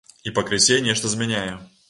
І пакрысе нешта змяняе.